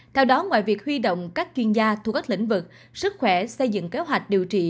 theo đó ngoài việc huy động các chuyên gia thu các lĩnh vực sức khỏe xây dựng kế hoạch điều trị